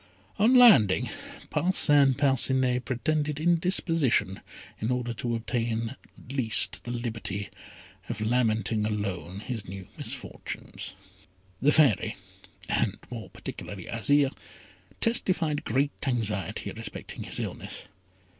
On landing, Parcin Parcinet pretended indisposition in order to obtain at least the liberty of lamenting alone his new misfortunes. The Fairy, and more particularly Azire, testified great anxiety respecting his illness.